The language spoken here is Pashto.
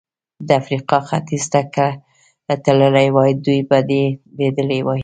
د افریقا ختیځ ته که تللی وای، دوی به دې لیدلي وای.